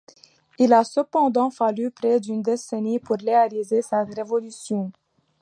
Il a cependant fallu près d'une décennie pour réaliser cette révolution.